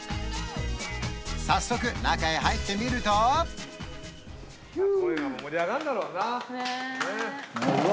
早速中へ入ってみるとこういうのも盛り上がるんだろうなねえうわ